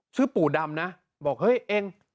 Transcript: ชื่อปู่ดำนะบอกเฮ้ยเอง